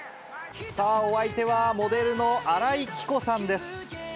さあ、お相手はモデルの新井貴子さんです。